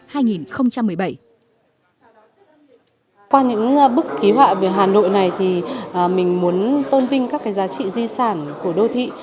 qua những bức ký họa về hà nội này thì mình muốn tôn vinh các cái giá trị di sản của đô thị